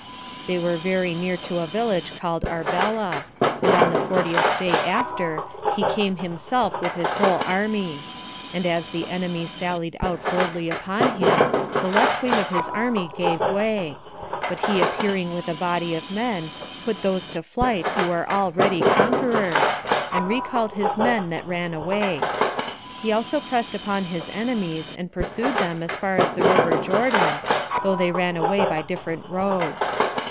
They were very near to a village called Arbela; and on the fortieth day after, he came himself with his whole army: and as the enemy sallied out boldly upon him, the left wing of his army gave way; but he appearing with a body of men, put those to flight who were already conquerors, and recalled his men that ran away. He also pressed upon his enemies, and pursued them as far as the river Jordan, though they ran away by different roads.